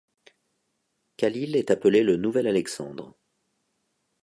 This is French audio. Khalîl est appelé le nouvel Alexandre.